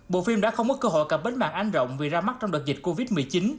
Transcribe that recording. bộ phim đã không mất cơ hội cặp bến mạng anh rộng vì ra mắt trong đợt dịch covid một mươi chín